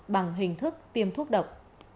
bằng hình thức tiêm thuốc độc